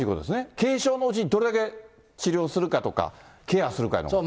軽症のうちにどれだけ治療するかとか、ケアするかとか。